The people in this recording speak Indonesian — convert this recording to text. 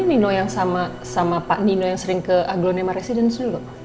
nino yang sama pak nino yang sering ke aglonema residence dulu